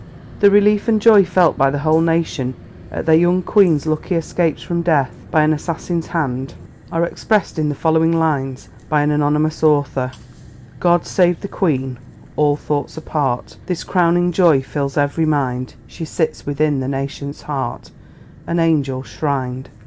The relief and joy felt by the whole nation at their young Queen's lucky escapes from death by an assassin's hand are expressed in the following lines by an anonymous author: God saved the Queen all thoughts apart This crowning joy fills every mind! She sits within the nation's heart, An angel shrined.